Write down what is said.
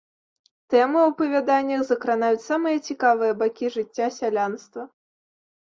Тэмы ў апавяданнях закранаюць самыя цікавыя бакі жыцця сялянства.